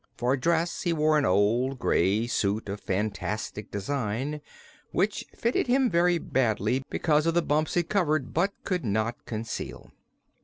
For dress he wore an old gray suit of fantastic design, which fitted him very badly because of the bumps it covered but could not conceal.